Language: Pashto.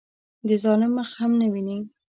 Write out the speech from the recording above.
د ظالم مخ هم نه ویني.